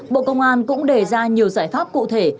bộ công an cũng đề ra nhiều giải pháp cụ thể